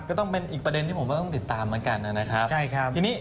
ก็ต้องเป็นอีกประเด็นที่ผมต้องติดตามเหมือนกันนะครับ